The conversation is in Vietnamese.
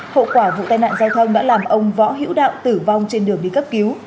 hậu quả vụ tai nạn giao thông đã làm ông võ hiễu đạo tử vong trên đường đi cấp cứu